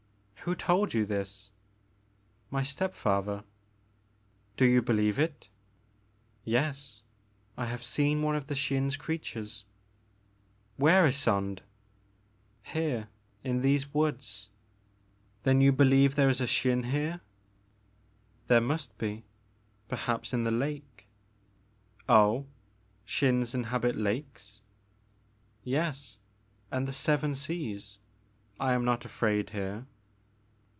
'' '•Who told you this?" " My step father." " Do you believe it ?"Yes. I have seen one of the Xin's creatures. '' ''Where, Ysonde?" Here in these woods." Then you believe there is a Xin here ?"There must be, — ^perhaps in the lake "" Oh, Xins inhabit lakes ?" "Yes, and the seven seas. I am not afraid here."